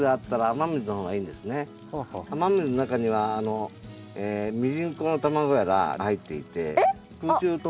雨水の中にはミジンコの卵やらが入っていて。